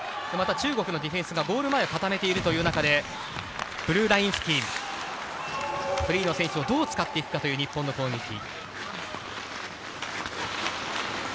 中国のディフェンスがゴール前を固めているという中でブルーライン付近、フリーの選手をどう使っていくかという日本の攻撃。